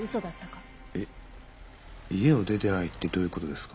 えっ家を出てないってどういう事ですか？